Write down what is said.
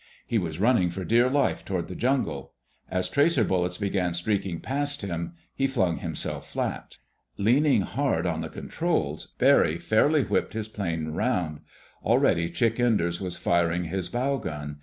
He was running for dear life toward the jungle. As tracer bullets began streaking past him he flung himself flat. Leaning hard on the controls, Barry fairly whipped his plane around. Already Chick Enders was firing his bow gun.